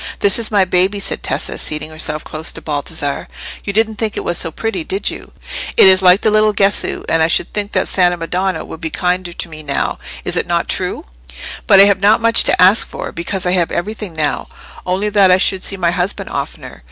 "This is my baby," said Tessa, seating herself close to Baldassarre. "You didn't think it was so pretty, did you? It is like the little Gesu, and I should think the Santa Madonna would be kinder to me now, is it not true? But I have not much to ask for, because I have everything now—only that I should see my husband oftener.